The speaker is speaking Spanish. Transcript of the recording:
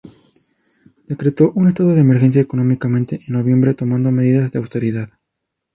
Decretó un estado de emergencia económica en noviembre, tomando medidas de austeridad.